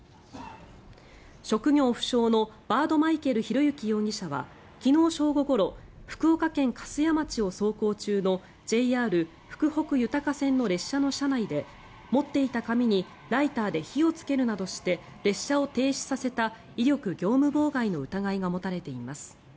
職業不詳のバード・マイケル裕之容疑者は昨日正午ごろ福岡県粕屋町を走行中のＪＲ福北ゆたか線の列車の車内で持っていた紙にライターで火をつけるなどして列車を停止させた威力業務妨害の疑いが持たれています。